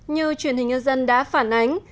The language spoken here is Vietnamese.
như truyền hình nhân dân đã phản ánh